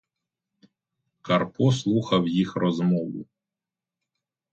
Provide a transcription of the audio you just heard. Карпо слухав їх розмову.